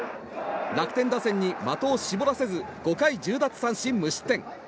楽天打線に的を絞らせず５回１０奪三振無失点。